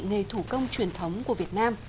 nghề thủ công truyền thống của việt nam